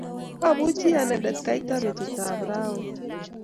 Abuchi anende kaita beetutab rauni